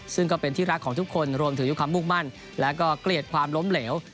ซึ่งก็เป็นที่รักของทุกคนรวมถึงความมุ่งมั่นและก็เกลียดความล้มเหลว